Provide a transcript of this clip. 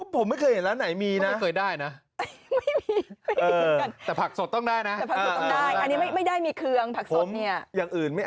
พริกเพิ่ม